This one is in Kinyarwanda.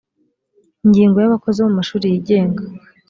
ingingo ya abakozi bo mu mashuri yigenga